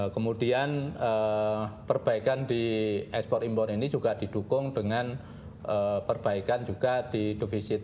kemudian perbaikan di ekspor impor ini juga didukung dengan perbaikan juga di defisit